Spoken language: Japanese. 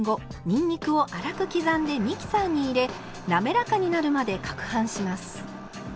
にんにくを粗く刻んでミキサーに入れ滑らかになるまでかくはんします。